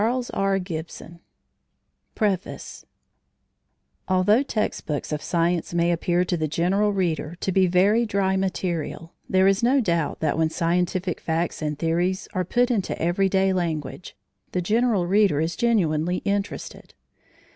Limited 1911 PREFACE Although text books of science may appear to the general reader to be "very dry" material, there is no doubt that, when scientific facts and theories are put into everyday language, the general reader is genuinely interested.